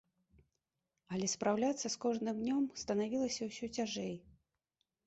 Але спраўляцца з кожным днём станавілася ўсё цяжэй.